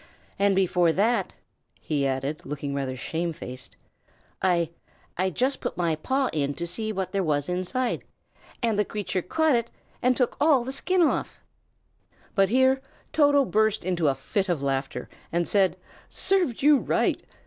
And before that," he added, looking rather shamefaced, "I I just put my paw in to see what there was inside, and the creature caught it and took all the skin off." But here Toto burst into a fit of laughter, and said, "Served you right!"